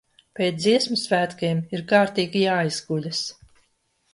Pēc Dziesmu svētkiem ir kārtīgi jāizguļas!